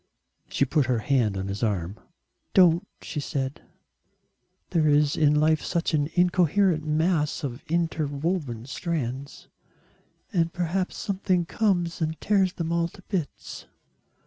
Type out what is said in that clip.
She put her hand on his arm. "Don't," she said, "there is in life such an incoherent mass of interwoven strands. And perhaps something comes and tears them all to bits."